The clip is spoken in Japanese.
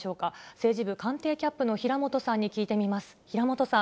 政治部官邸キャップの平本さんに聞いてみます。